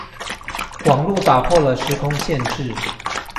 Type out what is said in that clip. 網路打破了時空限制